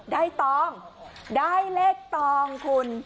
ตองได้เลขตองคุณ